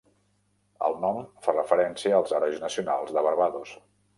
El nom fa referència als Herois Nacionals de Barbados.